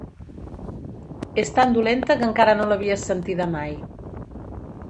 És tan dolenta que encara no l'havies sentida mai.